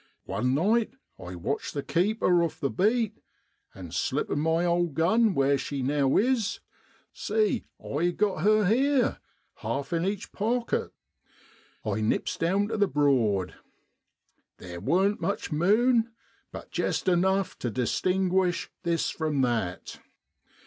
One night I watched the keeper off the beat, and slippin' my old gun where she now is (see, I've got her here half in each pocket) I nips down to the Broad. Theer wasn't much mune (moon), but jest enough tu distinguish this from that.